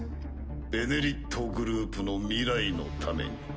「ベネリット」グループの未来のために。